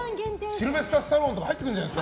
シルベスター・スタローンとか入ってくるんじゃない？